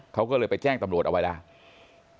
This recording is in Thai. เขาก็เลยไปแจ้งตำรวจเอาไว้แล้ว